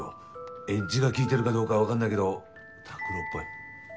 エッジが効いてるかどうかわかんないけど拓郎っぽい。